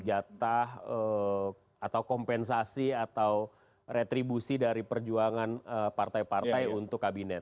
jatah atau kompensasi atau retribusi dari perjuangan partai partai untuk kabinet